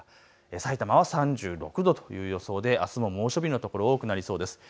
さいたまは３６度という予想であすも猛暑日の所、多くなりそうです。